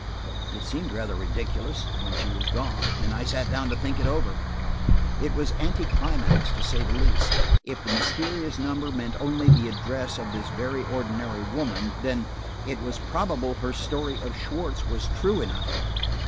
It seemed rather ridiculous, when she had gone, and I sat down to think it over. It was anticlimax, to say the least. If the mysterious number meant only the address of this very ordinary woman, then–it was probable her story of Schwartz was true enough.